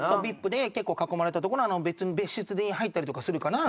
ＶＩＰで結構囲まれたとこの別室に入ったりとかするから。